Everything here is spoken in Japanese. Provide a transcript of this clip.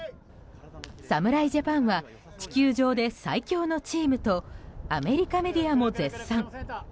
侍ジャパンは地球上で最強のチームとアメリカメディアも絶賛。